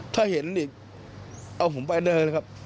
ถ้าเห็นอีกเอาผมไปได้เลยครับ